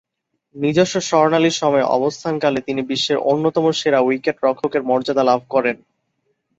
নিজস্ব স্বর্ণালী সময়ে অবস্থানকালে তিনি বিশ্বের অন্যতম সেরা উইকেট-রক্ষকের মর্যাদা লাভ করেন।